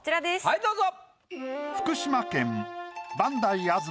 はいどうぞ。